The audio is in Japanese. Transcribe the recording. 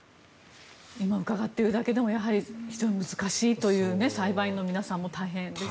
今伺っているだけでやはり難しいという裁判員の皆さんも大変です。